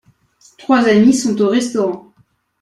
Trois amis sont au restaurant.